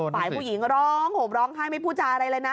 ฝ่ายผู้หญิงร้องห่มร้องไห้ไม่พูดจาอะไรเลยนะ